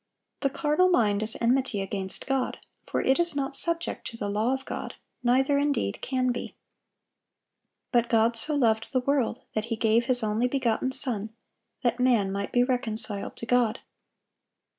"The carnal mind is enmity against God: for it is not subject to the law of God, neither indeed can be."(788) But "God so loved the world, that He gave His only begotten Son," that man might be reconciled to God.